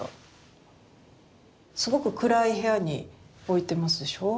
すごく暗い部屋に置いてますでしょう？